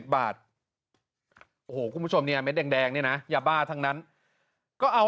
บาทโอ้โหคุณผู้ชมเนี่ยเม็ดแดงเนี่ยนะยาบ้าทั้งนั้นก็เอา